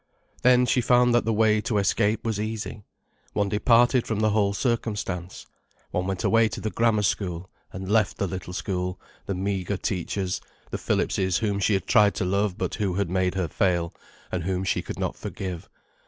Then she found that the way to escape was easy. One departed from the whole circumstance. One went away to the Grammar School, and left the little school, the meagre teachers, the Phillipses whom she had tried to love but who had made her fail, and whom she could not forgive.